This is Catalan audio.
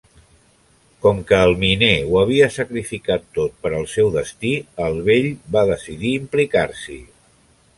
Com que el miner ho havia sacrificat tot per al seu destí, el vell va decidir implicar-s'hi.